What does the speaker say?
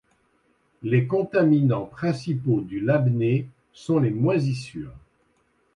Les contaminants principaux du labné sont les moisissures.